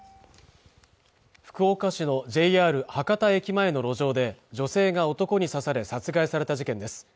福岡市のＪＲ博多駅前の路上で女性が男に刺され殺害された事件です